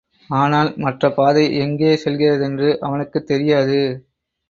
ஆனால், மற்றபாதை எங்கே செல்கிறதென்று அவனுக்குத் தெரியாது.